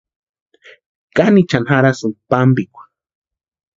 ¿Kánichani jarhasïnki pámpikwa?